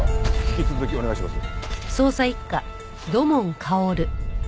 引き続きお願いします。